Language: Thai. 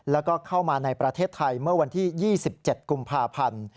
แล้วก็เข้ามาในประเทศไทยเมื่อวันที่๒๗กุมภาพันธ์